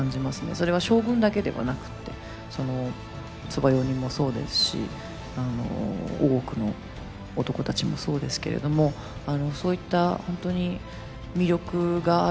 それは将軍だけではなくって側用人もそうですし大奥の男たちもそうですけれどもそういった本当に魅力があるドラマだなと思いますね。